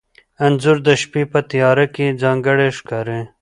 انځور د شپې په تیاره کې ځانګړی ښکاري.